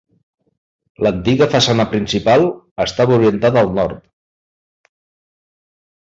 L'antiga façana principal estava orientada al nord.